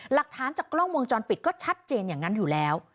หลักฐานจากกล้องวงจรปิดก็ชัดเจนอย่างนั้นอยู่แล้ว